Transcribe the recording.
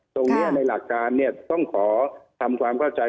ตรงนี้ในหลักการต้องขอทำความเข้าใจ